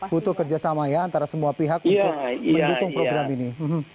butuh kerjasama ya antara semua pihak untuk mendukung program ini